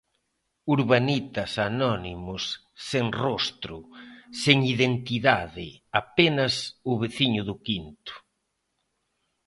Urbanitas, anónimos, sen rostro, sen identidade, apenas o veciño do quinto...